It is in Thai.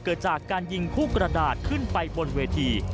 เกิดจากการยิงคู่กระดาษขึ้นไปบนเวที